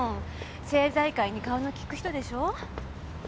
政財界に顔の利く人でしょ？